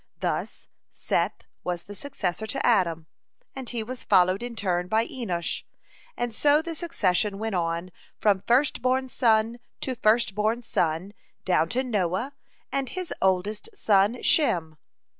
Thus, Seth was the successor to Adam, and he was followed in turn by Enosh, and so the succession went on, from first born son to first born son, down to Noah and his oldest son Shem.